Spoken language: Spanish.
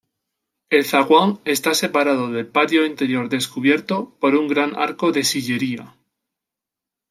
El zaguán está separado del patio interior descubierto por un gran arco de sillería.